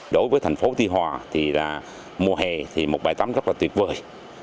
đối với thành phố tuy hòa thì là mùa hè thì một bãi tắm rất là tuyệt vời